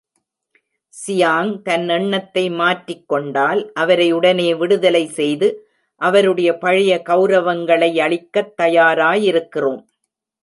Chiang தன் எண்ணத்தை மாற்றிக் கொண்டால் அவரை உடனே விடுதலை செய்து அவருடைய பழைய கெளரவங்களையளிக்கத் தயாரயிருக்கிறோம்.